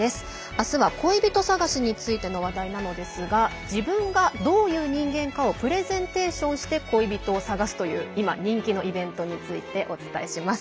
明日は恋人探しについての話題なのですが自分がどういう人間かをプレゼンテーションして恋人を探すという今、人気のイベントについてお伝えします。